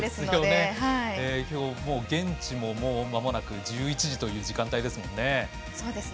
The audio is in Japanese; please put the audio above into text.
きょうも現地もまもなく１１時という時間帯です。